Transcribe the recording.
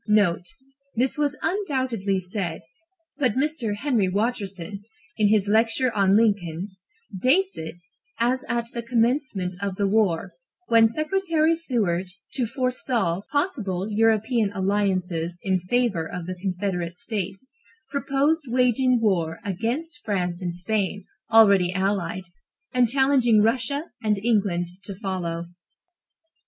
(NOTE. This was undoubtedly said, but Mr. Henry Watterson, in his lecture on Lincoln, dates it as at the commencement of the war, when Secretary Seward, to forestall possible European alliances in favor of the Confederate States, proposed waging war against France and Spain, already allied, and challenging Russia and England to follow.)